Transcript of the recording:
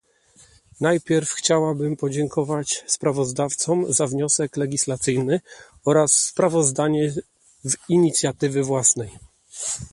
Najpierw chciałabym podziękować sprawozdawcom za wniosek legislacyjny oraz sprawozdanie w inicjatywy własnej